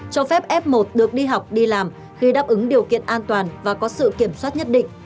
cho phép f một được đi học đi làm khi đáp ứng điều kiện an toàn và có sự kiểm soát nhất định